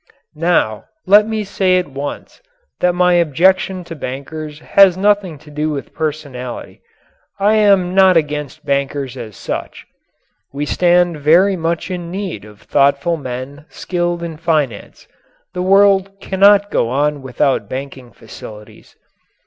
Now, let me say at once that my objection to bankers has nothing to do with personalities. I am not against bankers as such. We stand very much in need of thoughtful men, skilled in finance. The world cannot go on without banking facilities.